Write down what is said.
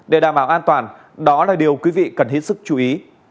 để đảm bảo an toàn đó là điều quý vị cần hết sức chú ý